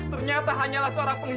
ternyata hanyalah seorang penghianat